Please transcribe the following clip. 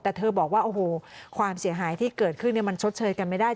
แต่เธอบอกว่าโอ้โหความเสียหายที่เกิดขึ้นมันชดเชยกันไม่ได้